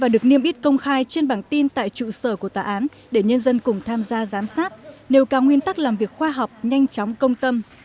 để nhân dân cùng tham gia giám sát nêu cao nguyên tắc làm việc khoa học nhanh chóng công tâm